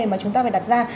mà chúng ta phải đặt ra